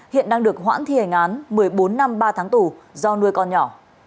hiện đang được hoãn thi hành án một mươi bốn năm ba tháng tù do nuôi con nhỏ